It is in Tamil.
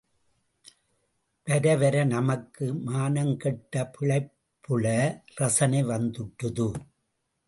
வரவர நமக்கு மானங்கெட்ட பிழைப்புல ரசனை வந்துட்டுது.